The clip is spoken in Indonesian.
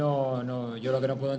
ada seorang pemain